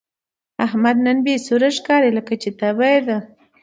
احمد نن بې سوره ښکاري، لکه چې تبه یې ده.